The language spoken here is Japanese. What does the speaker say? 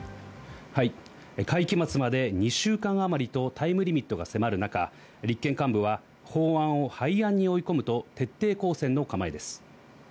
はい、会期末まで２週間あまりとタイムリミットが迫る中、立憲幹部は法案を廃案に追い込むと徹底抗戦の構えです。